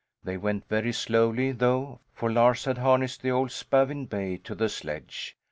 They went very slowly, though, for Lars had harnessed the old spavined bay to the sledge.